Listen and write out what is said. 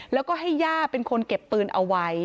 แล้วก็ให้ย่าเป็นคนเก็บปืนเอาไว้